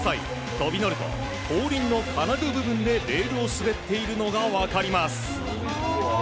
跳び乗ると、後輪の金具部分でレールを滑っているのが分かります。